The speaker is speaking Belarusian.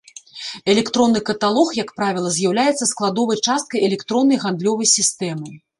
Электронны каталог, як правіла, з'яўляецца складовай часткай электроннай гандлёвай сістэмы.